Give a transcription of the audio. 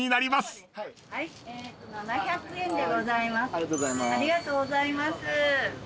ありがとうございます。